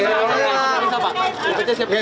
terima kasih ya